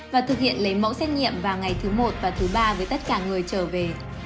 và thực hiện lấy mẫu xét nghiệm vào ngày thứ một và thứ ba với tất cả người trở về